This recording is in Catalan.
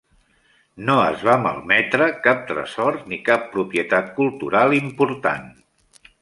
No es va malmetre cap tresor ni cap propietat cultural important.